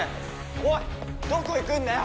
おいどこ行くんだよ！